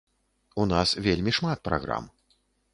У нас вельмі шмат праграм.